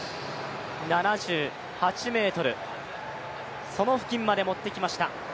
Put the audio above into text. ７８ｍの付近まで持ってきました。